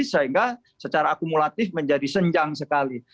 sehingga secara akumulatif menjadi senjang sekali